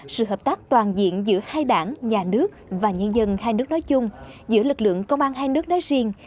sự hợp tác toàn diện giữa hai đảng nhà nước và nhân dân hai nước nói chung giữa lực lượng công an hai nước nói riêng